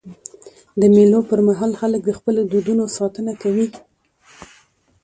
د مېلو پر مهال خلک د خپلو دودونو ساتنه کوي.